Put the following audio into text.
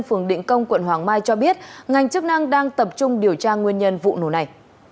phường định công quận hoàng mai cho biết ngành chức năng đang tập trung điều tra nguyên nhân vụ nổ này